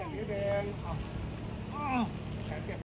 เจ็บสิเจ็บเจ็บ